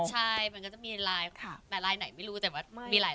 ใช่มันก็จะมีหลายหลายไม่รู้แต่ว่ามีหลาย